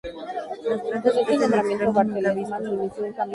Las plantas crecen hasta extremos nunca vistos.